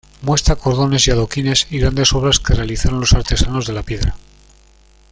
Muestra cordones y adoquines, y grandes obras que realizaron los artesanos de la piedra.